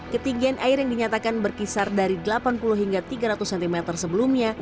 ketinggian air yang dinyatakan berkisar dari delapan puluh hingga tiga ratus cm sebelumnya